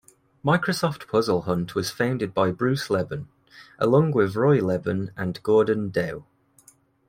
Microsoft Puzzlehunt was founded by Bruce Leban, along with Roy Leban and Gordon Dow.